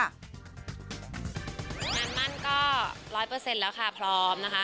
งานมั่นก็๑๐๐แล้วค่ะพร้อมนะคะ